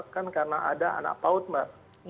kan karena ada anak paut mbak